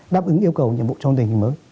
đáp ứng yêu cầu nhiệm vụ trong tình hình mới